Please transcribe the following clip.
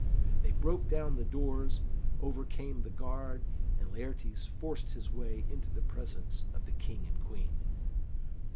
They broke down the doors, overcame the guard, and Laertes forced his way into the presence of the King and Queen.